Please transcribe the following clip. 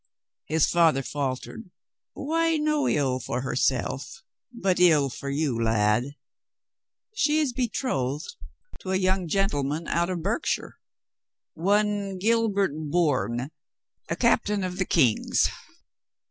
His father faltered. "Why, no ill for herself, but ill for you, lad. She is betrothed to a young gentle man out of Berkshire. One Gilbert Bourne, a cap tain of the King's.